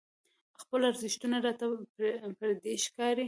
خپل ارزښتونه راته پردي ښکاري.